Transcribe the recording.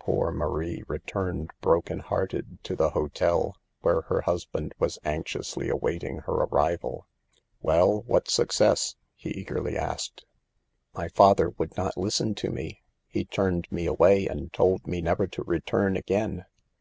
Poor Marie returned broken hearted to the hotel, where her husband was anxiously await ing her arrival. " Well, what success ?" he eagerly asked. "My father would not listen to me. He turned me away and told me never to return again."